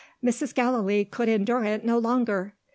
Mrs. Gallilee could endure it no longer.